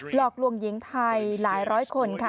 หลอกลวงหญิงไทยหลายร้อยคนค่ะ